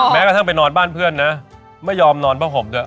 แม้กระทั่งไปนอนบ้านเพื่อนนะไม่ยอมนอนผ้าห่มด้วย